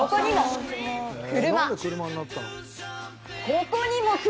ここにも車。